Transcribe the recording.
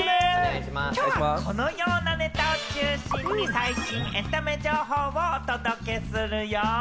きょうはこのようなネタを中心に最新エンタメ情報をお届けするよ。